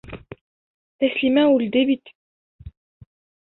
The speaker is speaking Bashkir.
Тәслимә үлде бит!